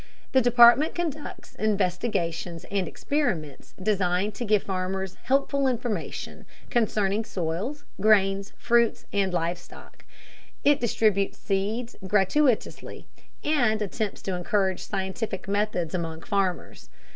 The Department conducts investigations and experiments designed to give farmers helpful information concerning soils, grains, fruits, and live stock. It distributes seeds gratuitously, and attempts to encourage scientific methods among farmers.